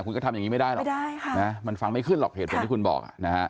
คุณจะทำแบบนี้ไม่ได้หรอก